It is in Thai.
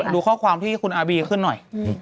ดูข้อความที่คุณอาบีขึ้นหน่อย